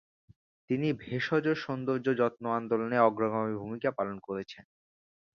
তিনি ভেষজ সৌন্দর্য যত্ন আন্দোলনে অগ্রগামী ভূমিকা পালন করেছেন।